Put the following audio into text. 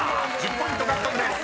１０ポイント獲得です］